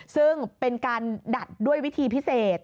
ซึ่งเป็นการดัดด้วยวิธีพิเศษ